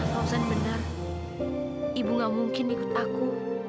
kalau saya benar ibu gak mungkin ikut aku